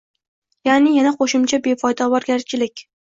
Ya’ni, yana qo‘shimcha befoyda ovoragarchilik